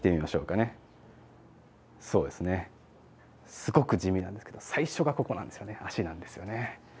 すごく地味なんですけど最初がここなんですよね足なんですよね。